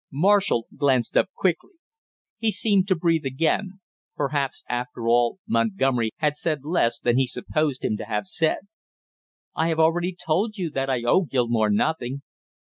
Marshall glanced up quickly; he seemed to breathe again; perhaps after all Montgomery had said less than he supposed him to have said! "I have already told you that I owe Gilmore nothing!"